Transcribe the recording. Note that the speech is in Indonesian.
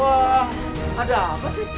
wah ada apa sih